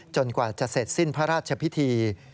กว่าจะเสร็จสิ้นพระราชพิธี